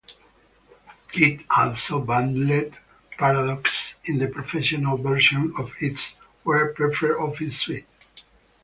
It also bundled Paradox in the professional version of its WordPerfect Office suite.